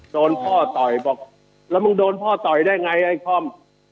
โดนพ่อต่อยบอกแล้วมึงโดนพ่อต่อยได้ไงไอ้คอม